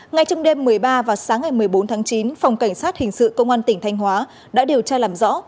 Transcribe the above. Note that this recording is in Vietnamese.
ngay trong đêm một mươi ba và sáng ngày một mươi bốn tháng chín phòng cảnh sát hình sự công an tỉnh thanh hóa đã điều tra làm rõ